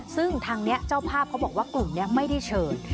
ซึ่งทางนี้เจ้าภาพเขาบอกว่ากลุ่มนี้ไม่ได้เชิญ